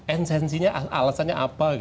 ensensinya alasannya apa